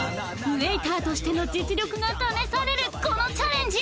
ウエーターとしての実力が試されるこのチャレンジ